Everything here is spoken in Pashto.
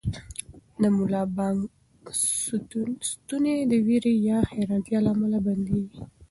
د ملا بانګ ستونی د وېرې یا حیرانتیا له امله بندېږي.